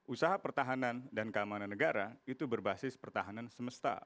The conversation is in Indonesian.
usaha pertahanan dan keamanan negara itu berbasis pertahanan semesta